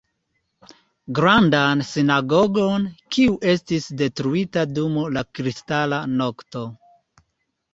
Grandan sinagogon, kiu estis detruita dum la Kristala nokto.